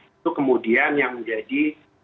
itu kemudian yang menjadi